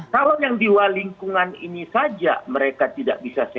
kalau yang di lingkungan ini saja mereka tidak bisa